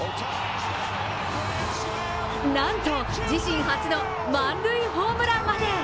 なんと自身初の満塁ホームランまで。